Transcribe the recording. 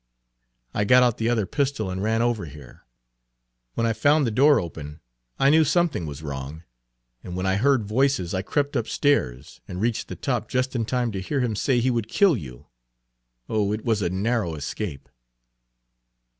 I got out the other pistol and ran over here. When I found the door open, I knew something was wrong, and when I heard voices I crept up stairs, and reached the top just in time to hear him say he would kill you. Oh, it was a narrow escape!"